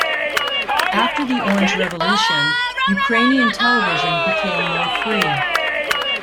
After the Orange Revolution, Ukrainian television became more free.